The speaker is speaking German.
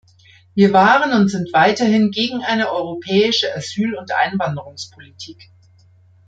Wir waren und sind weiterhin gegen eine europäische Asyl- und Einwanderungspolitik.